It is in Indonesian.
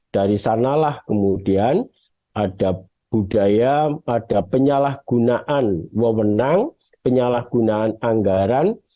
dari sanalah kemudian ada budaya ada penyalahgunaan wewenang penyalahgunaan anggaran